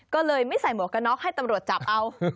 ก็เลยไม่ใส่หมวกกระน็อกให้ตำรวจจับเอา